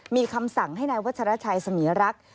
มีคำสั่งให้นายวัชรชัยสมีรักษ์